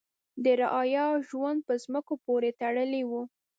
د رعایا ژوند په ځمکو پورې تړلی و.